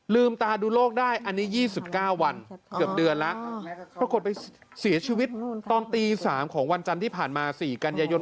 ตาดูโลกได้อันนี้๒๙วันเกือบเดือนแล้วปรากฏไปเสียชีวิตตอนตี๓ของวันจันทร์ที่ผ่านมา๔กันยายน